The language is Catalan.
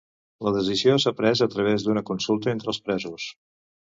La decisió s’ha pres a través d’una consulta entre els presos.